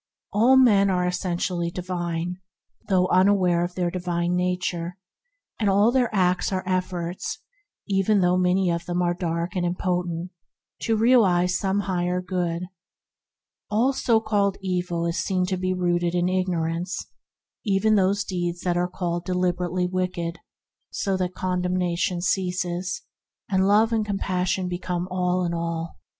All men are essentially divine, though unaware of their divine nature, and all their acts are efforts, even though many of them are dark and impotent, to realize some higher good. All so called evil is seen to be rooted in ignorance, even the deeds called deliberately wicked, so that condemnation ceases, and Love and Compassion become all in all.